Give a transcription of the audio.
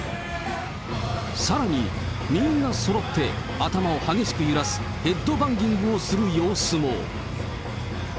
さらに、みんなそろって頭を激しく揺らすヘッドバンギングをする様子も。